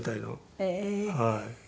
はい。